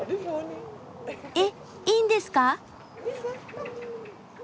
えっいいんですか！？